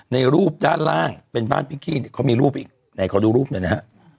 ในรูปด้านล่างเป็นบ้านพิกกี้เขามีรูปอีกไหนขอดูรูปหน่อยนะฮะ